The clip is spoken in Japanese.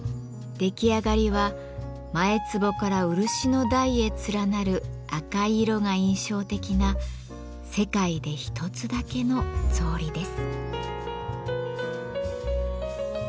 出来上がりは前つぼから漆の台へ連なる赤い色が印象的な世界で一つだけの草履です。